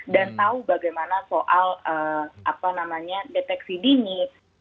dan tahu bagaimana soal apa namanya deteksi dini